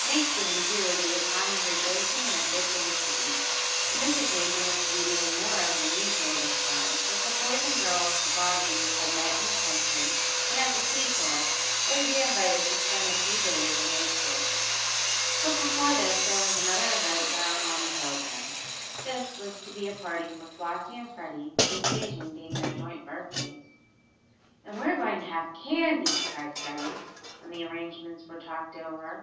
Thanksgiving, too, would be a time of rejoicing and of good things to eat, and this occasion was to be made more of than usual this time, for some boys and girls the Bobbseys had met in the country and at the seashore were to be invited to spend a few days in Lakeport. But before this there was another event down on the program. This was to be a party for Flossie and Freddie, the occasion being their joint birthdays. "And we're going to have candy!" cried Freddie, when the arrangements were talked over.